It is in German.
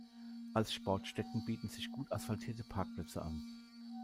Als Sportstätten bieten sich gut asphaltierte Parkplätze an.